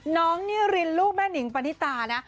น้องนิรินลูกแม่นิงปณิตานะ